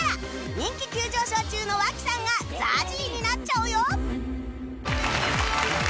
人気急上昇中の和氣さんが ＺＡＺＹ になっちゃうよ！